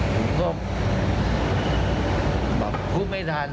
ไม่รู้จักกันใจครับ